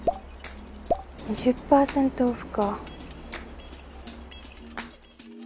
２０％オフか。